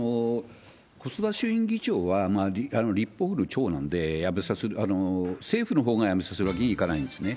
細田衆院議長は、立法府の長なんで、政府のほうが辞めさせるわけにはいかないんですね。